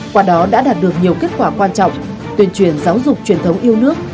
qua đó đã đạt được nhiều kết quả quan trọng tuyên truyền giáo dục truyền thống yêu nước